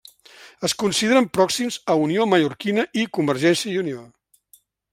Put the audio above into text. Es consideren pròxims a Unió Mallorquina i Convergència i Unió.